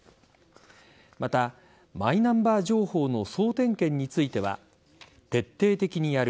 また、マイナンバー情報の総点検については徹底的にやる。